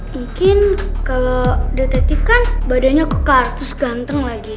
mungkin kalau detektif kan badannya kekar terus ganteng lagi